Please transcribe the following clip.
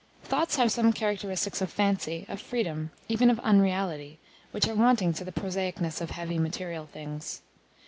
Thoughts have some characteristics of fancy, of freedom, even of unreality, which are wanting to the prosaicness of heavy material things.